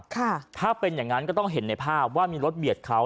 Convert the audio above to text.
ถ้าเป็นอย่างนั้นก็ต้องเห็นในภาพว่ามีรถเบียดเขา